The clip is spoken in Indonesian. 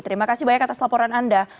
terima kasih banyak atas laporan anda